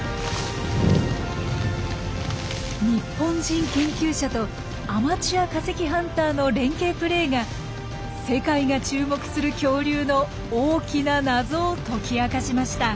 日本人研究者とアマチュア化石ハンターの連携プレーが世界が注目する恐竜の大きな謎を解き明かしました。